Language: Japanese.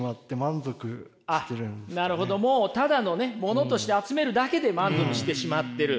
もうただのねものとして集めるだけで満足してしまってる。